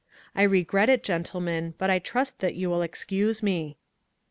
I regret it, gentlemen, but I trust that you will excuse me."